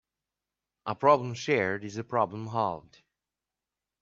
A problem shared is a problem halved.